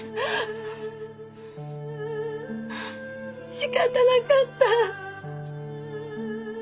しかたなかった。